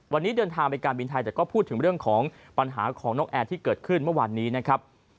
วันนี้เดินทางไปการบินไทยแต่ก็พูดถึงเรื่องของปัญหาของน้องแอร์ที่เกิดขึ้นเมื่อวานนี้นะครับ